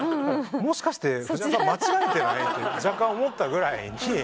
「もしかして藤原さん間違えてない？」って若干思ったぐらいに。